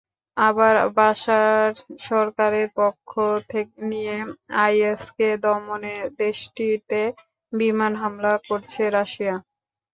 আবার বাসার সরকারের পক্ষ নিয়ে আইএসকে দমনে দেশটিতে বিমান হামলা করছে রাশিয়া।